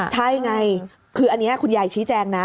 ใช่ไงคืออันนี้คุณยายชี้แจงนะ